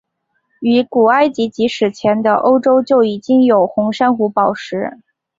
于古埃及及史前的欧洲就已经有红珊瑚宝石。